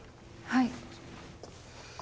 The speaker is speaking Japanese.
はい。